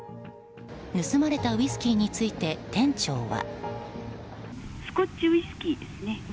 盗まれたウイスキーについて店長は。